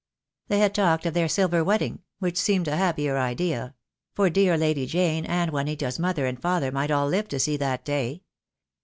They had talked of their silver wedding, which seemed a happier idea; for dear Lady Jane and Juanita's mother and father might all live to see that day.